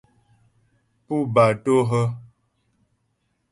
Pú batô hə́ ?